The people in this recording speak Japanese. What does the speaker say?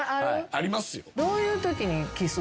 ありますよ。